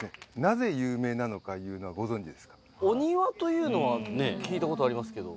ご存じですか？というのはね聞いたことありますけど。